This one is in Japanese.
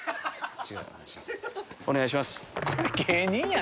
お願いします。